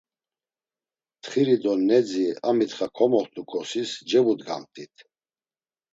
Ntxiri do nedzi a mitxa moxt̆uǩosis cevudgamt̆it.